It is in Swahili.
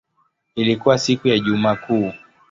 Ilikuwa siku ya Ijumaa Kuu.